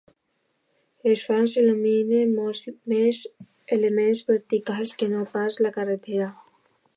Els fars il·luminen molts més elements verticals que no pas la carretera.